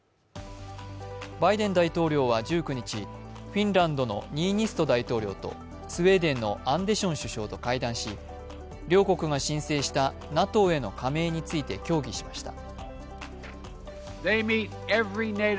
バイデン大統領は１９日、フィンランドのニーニスト大統領とスウェーデンのアンデション首相と会談し両国が申請したＮＡＴＯへの加盟について協議しました。